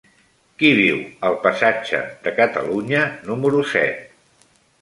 Qui viu al passatge de Catalunya número set?